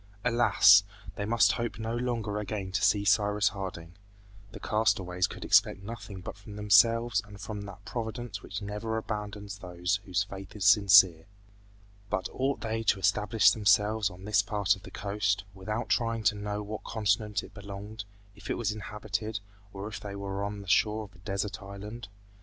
Alas! they must hope no longer again to see Cyrus Harding. The castaways could expect nothing but from themselves and from that Providence which never abandons those whose faith is sincere. But ought they to establish themselves on this part of the coast, without trying to know to what continent it belonged, if it was inhabited, or if they were on the shore of a desert island?